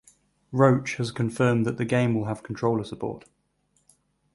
Roach has confirmed that the game will have controller support.